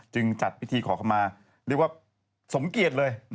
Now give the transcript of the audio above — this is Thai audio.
จัดพิธีขอเข้ามาเรียกว่าสมเกียจเลย